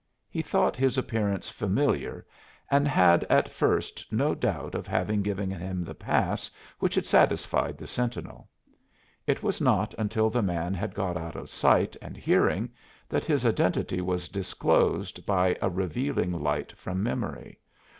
He thought his appearance familiar and had at first no doubt of having given him the pass which had satisfied the sentinel. It was not until the man had got out of sight and hearing that his identity was disclosed by a revealing light from memory.